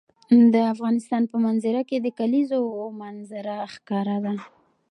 د افغانستان په منظره کې د کلیزو منظره ښکاره ده.